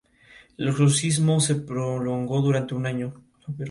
Al mismo tiempo, esta siguió ofreciendo conciertos en salas principales fuera de su ciudad.